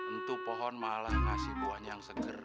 itu pohon malah ngasih buahnya yang seger